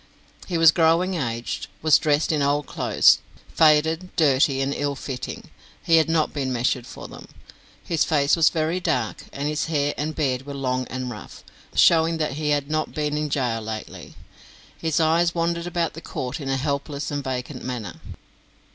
He was growing aged, was dressed in old clothes, faded, dirty, and ill fitting; he had not been measured for them. His face was very dark, and his hair and beard were long and rough, showing that he had not been in gaol lately. His eyes wandered about the court in a helpless and vacant manner.